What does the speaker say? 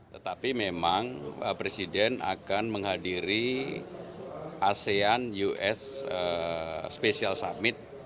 tetapi memang presiden akan menghadiri asean us special summit